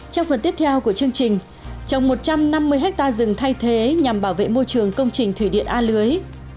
trong phần tiếp theo của chương trình trồng một trăm năm mươi ha rừng thay thế nhằm bảo vệ môi trường công trình thủy điện a lưới